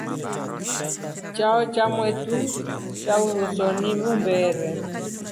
Chao cha kwamotu cha uruuso ni umberere.